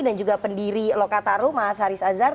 dan juga pendiri lokatarum mas haris azhar